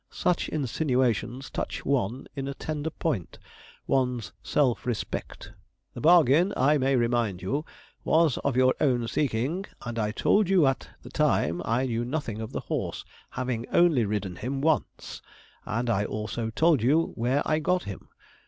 Such insinuations touch one in a tender point one's self respect. The bargain, I may remind you, was of your own seeking, and I told you at the time I knew nothing of the horse, having only ridden him once, and I also told you where I got him.